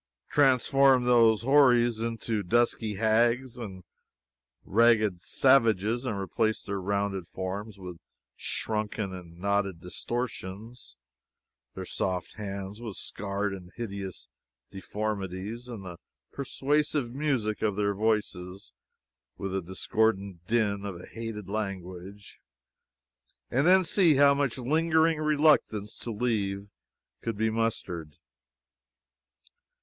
Transform those houris into dusky hags and ragged savages, and replace their rounded forms with shrunken and knotted distortions, their soft hands with scarred and hideous deformities, and the persuasive music of their voices with the discordant din of a hated language, and then see how much lingering reluctance to leave could be mustered.